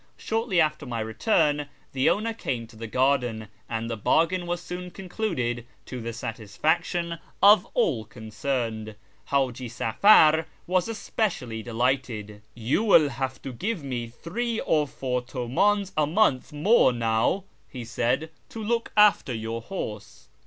Shortly after my return the owner came to the garden, and the bargain was soon concluded to the satisfaction of all concerned. Haji Safar was especially delighted. " You will have to give me three or four Utmdns a month more now," he said, " to look after your horse."